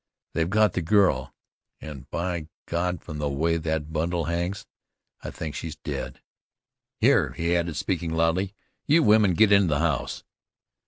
"They've got the girl, and by God! from the way that bundle hangs, I think she's dead. Here," he added, speaking loudly, "you women get into the house."